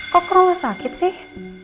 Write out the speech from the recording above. kok ke rumah sakit sih